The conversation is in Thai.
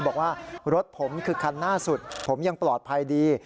บอกว่ารถผมคือคันหน้าสุดผมยังปลอดภัยดี